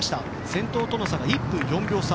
先頭との差が１分４秒差。